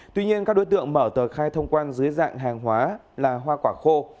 tuy nhiên các đối tượng mở tờ khai thông quan dưới dạng hàng hóa là hoa quả khô